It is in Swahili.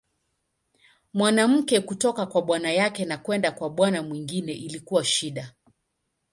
Mwanamke kutoka kwa bwana yake na kwenda kwa bwana mwingine ilikuwa shida.